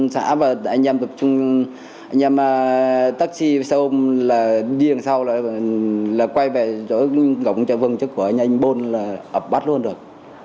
xã và anh em tập trung anh em taxi xe ôm là đi đường sau là quay về chỗ góng cho vương chức của anh anh bôn là bắt luôn được